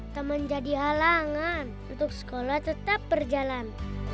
tak menjadi halangan untuk sekolah tetap berjalan